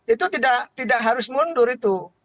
itu tidak harus mundur itu